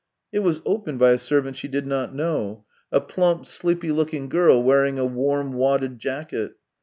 It was opened by a servant she did not know — a THREE YEARS 267 plump, sleepy looking girl wearing a warm wadded jacket.